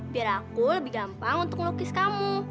biar aku lebih gampang untuk melukis kamu